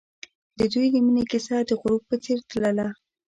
د دوی د مینې کیسه د غروب په څېر تلله.